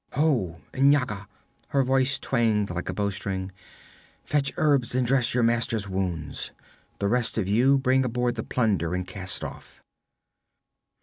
'Ho, N'Yaga!' her voice twanged like a bowstring. 'Fetch herbs and dress your master's wounds! The rest of you bring aboard the plunder and cast off.'